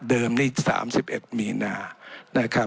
เดิมนี้สามสิบเอ็ดมีนานะครับ